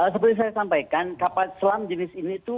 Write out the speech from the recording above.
seperti saya sampaikan kapal selam jenis ini itu